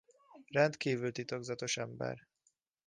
Rendkívül titokzatos ember.